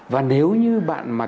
và nếu như bạn mà